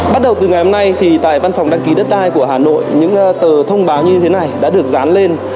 bắt đầu từ ngày hôm nay thì tại văn phòng đăng ký đất đai của hà nội những tờ thông báo như thế này đã được dán lên